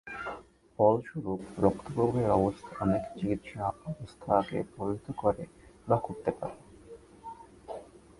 ফলস্বরূপ, রক্ত প্রবাহের অবস্থা অনেক চিকিত্সার অবস্থাকে প্রভাবিত করে বা করতে পারে।